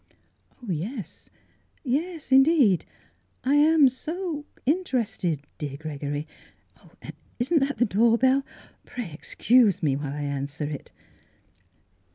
" Yes, yes — indeed ; I am so — so — interested, dear Gregory; and isn't that the door bell? Pray excuse me while I answer it."